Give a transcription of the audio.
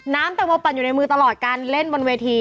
น้ำตังโมปั่นอยู่ตลอดการเล่นบนวีธี